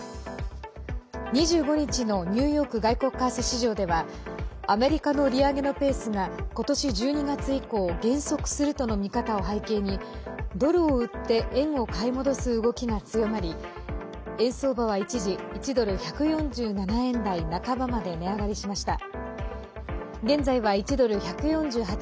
２５日のニューヨーク外国為替市場ではアメリカの利上げのペースが今年１２月以降減速するとの見方を背景にドルを売って円を買い戻す動きが強まり円相場は一時１ドル＝１４７円台半ばまで値上がりしました。